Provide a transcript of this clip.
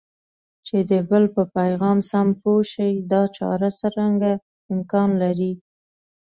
چې د بل په پیغام سم پوه شئ دا چاره څرنګه امکان لري؟